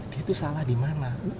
dia itu salah dimana